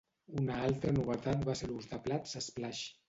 Una altra novetat va ser l'ús de plats splash.